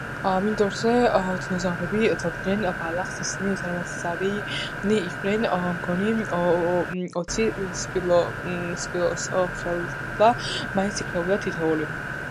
მინდორზე დინოზავრები ძოვდნენ ბალახს. ისინი უზარმაზარნი იყვნენ. მგონი, ოცი სპილოსხელა მაინც იქნებოდა თითოეული.